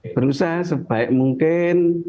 berusaha sebaik mungkin